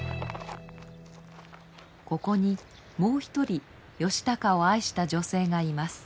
ここにもう一人義高を愛した女性がいます。